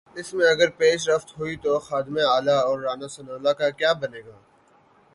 اس میں اگر پیش رفت ہوئی تو خادم اعلی اور رانا ثناء اللہ کا کیا بنے گا؟